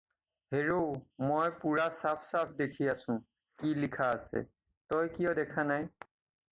হেৰৌ, মই পূৰা চাফ চাফ দেখি আছোঁ কি লিখা আছে, তই কিয় দেখা নাই?